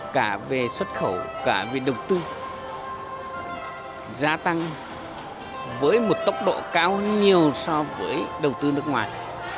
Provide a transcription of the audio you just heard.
cả về xuất khẩu cả về đầu tư gia tăng với một tốc độ cao hơn nhiều so với đầu tư nước ngoài